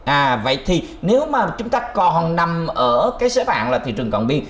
à vậy thì nếu mà chúng ta còn nằm ở cái xếp hạng là thị trường cận biên